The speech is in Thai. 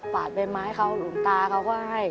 ดใบไม้เขาหลวงตาเขาก็ให้